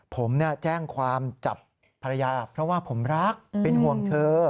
ผมแจ้งความจับภรรยาเพราะว่าผมรักเป็นห่วงเธอ